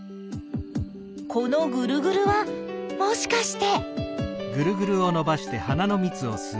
このぐるぐるはもしかして？